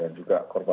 dan juga korban